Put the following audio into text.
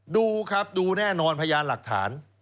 ดูครับดูแน่นอนพยานหลักฐาน